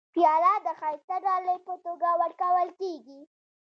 پیاله د ښایسته ډالۍ په توګه ورکول کېږي.